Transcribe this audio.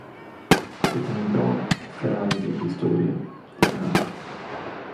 Det är en bra förarglig historia, det här.